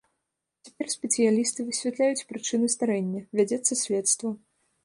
Цяпер спецыялісты высвятляюць прычыны здарэння, вядзецца следства.